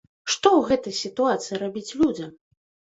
Што ў гэтай сітуацыі рабіць людзям?